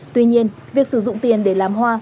tuy nhiên việc sử dụng tiền để làm hoa